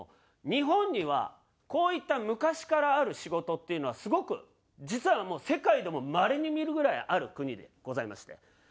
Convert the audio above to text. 日本にはこういった昔からある仕事っていうのはすごく実は世界でもまれに見るぐらいある国でございまして。